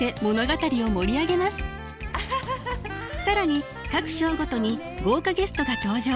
更に各章ごとに豪華ゲストが登場。